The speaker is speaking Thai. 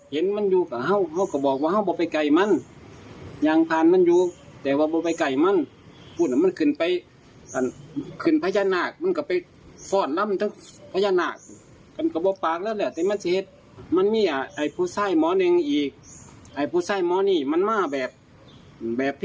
ภาพภาคอินตรีภาคภาคภาคภาคภาคภาคภาคภาคภาคภาคภาคภาคภาคภาคภาคภาคภาคภาคภาคภาคภาคภาคภาคภาคภาคภาคภาคภาคภาคภาคภาคภาคภาคภาคภาคภาคภาคภาคภาคภาคภาคภาคภาคภาคภาคภาคภาคภาคภาคภาคภาคภ